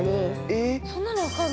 えっそんなの分かんの？